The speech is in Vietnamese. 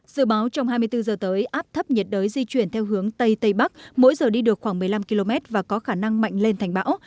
dự báo trong hai mươi bốn giờ tới áp thấp nhiệt đới di chuyển theo hướng tây tây bắc mỗi giờ đi được khoảng một mươi năm km và có khả năng mạnh lên thành bão